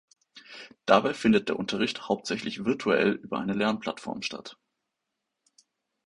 Dabei findet der Unterricht hauptsächlich virtuell über eine Lernplattform statt.